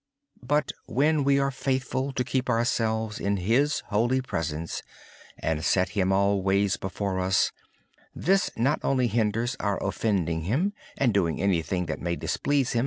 When we are faithful to keep ourselves in His holy presence, and set Him always before us, this hinders our offending Him, and doing anything that may displease Him.